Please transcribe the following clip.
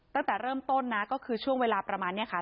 ตั้งแต่เริ่มต้นนะก็คือช่วงเวลาประมาณนี้ค่ะ